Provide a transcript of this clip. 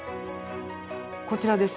こちらです。